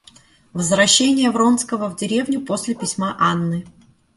Возвращение Вронского в деревню после письма Анны.